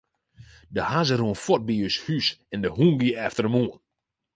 De hazze rûn fuort by ús hús en de hûn gie efter him oan.